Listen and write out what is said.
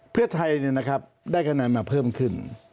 เพื่อไทยได้คะแนนมาเพิ่มขึ้น